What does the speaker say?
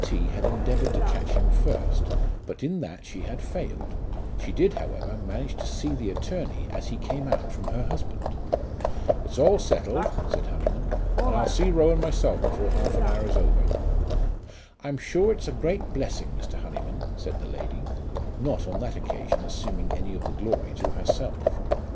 T. had endeavoured to catch him first, but in that she had failed; she did, however, manage to see the attorney as he came out from her husband. "It's all settled," said Honyman; "and I'll see Rowan myself before half an hour is over." "I'm sure it's a great blessing, Mr. Honyman," said the lady, not on that occasion assuming any of the glory to herself.